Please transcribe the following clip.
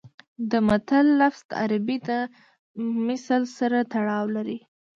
د متل لفظ د عربي د مثل سره تړاو لري